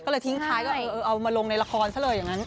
ก็เลยทิ้งท้ายว่าเอามาลงในละครซะเลยอย่างนั้น